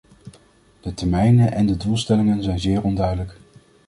De termijnen en de doelstellingen zijn zeer onduidelijk.